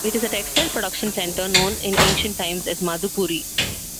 It is a textile production centre, known in ancient times as Madhupuri.